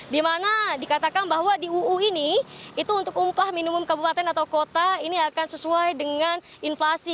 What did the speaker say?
dimana dikatakan bahwa di uu ini itu untuk upah minimum kabupaten atau kota ini akan sesuai dengan inflasi